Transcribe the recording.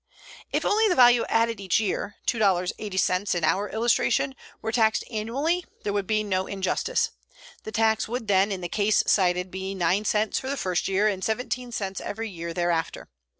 If only the value added each year, $2.80 in our illustration, were taxed annually, there would be no injustice. The tax would then, in the case cited, be 9 cents the first year and 17 cents every year thereafter.